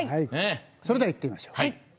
それではいってみましょう。